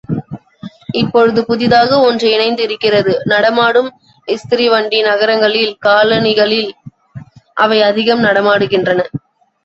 இப்பொழுது புதிதாக ஒன்று இணைந்து இருக்கிறது, நடமாடும் இஸ்திரி வண்டி நகரங்களில் காலனிகளில் அவை அதிகம் நடமாடுகின்றன.